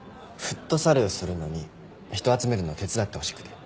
フットサルするのに人集めるの手伝ってほしくて。